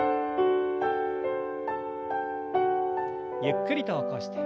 ゆっくりと起こして。